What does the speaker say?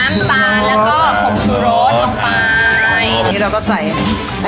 น้ำปลาและก็ของชุโรศน์ลงไป